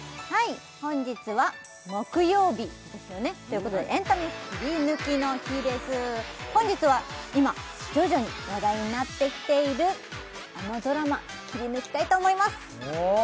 本日は木曜日ですよねということで本日は今徐々に話題になってきているあのドラマキリヌキたいと思います！